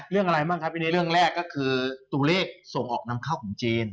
เรื่องแรกก็คือตูเลขส่งออกน้ำข้าวของจีน